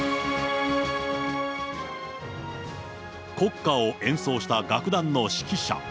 国歌を演奏した楽団の指揮者。